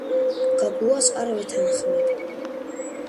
გაგუას არ ვეთანხმები